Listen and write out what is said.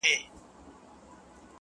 په يو تن كي سل سرونه سل غليمه،